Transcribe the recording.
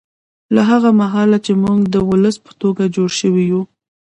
له هغه مهاله چې موږ د ولس په توګه جوړ شوي یو